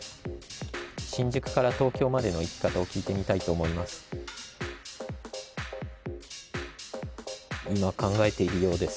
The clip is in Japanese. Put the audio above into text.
新宿から東京までの行き方を聞いてみたいと思います。